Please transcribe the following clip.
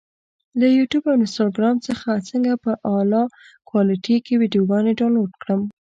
له یوټیوب او انسټاګرام څخه څنګه په اعلی کوالټي کې ویډیوګانې ډاونلوډ کړم؟